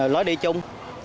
lối đi chung